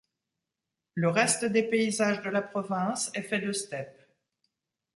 Le reste des paysages de la province est fait de steppe.